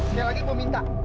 sekali lagi gue minta